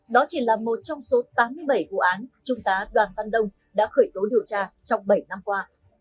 đó chỉ là một trong số tám mươi bảy vụ án trung tá đoàn văn đông đã khởi tố điều tra trong bảy năm qua